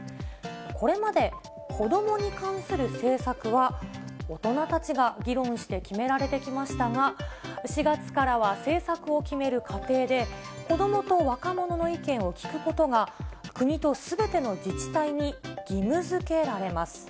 これまで、子どもに関する政策は、大人たちが議論して決められてきましたが、４月からは政策を決める過程で、子どもと若者の意見を聞くことが、国とすべての自治体に義務づけられます。